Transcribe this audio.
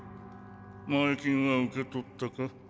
前金は受け取ったか？